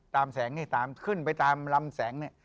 ตามแสงนี้ขึ้นไปตามลำแสงนี้